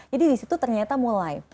jadi disitu ternyata mulai